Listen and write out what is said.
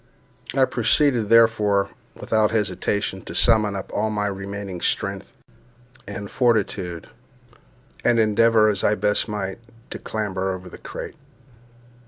I proceeded, therefore, without hesitation, to summon up all my remaining strength and fortitude, and endeavour, as I best might, to clamber over the crate.